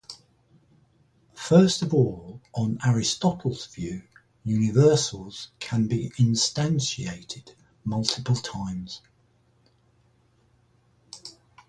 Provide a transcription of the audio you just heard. First of all, on Aristotle's view, universals can be instantiated multiple times.